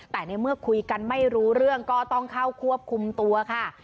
แต่ในเมื่อคุยกันไม่รู้เรื่องก็ต้องเข้าควบคุมตัวค่ะ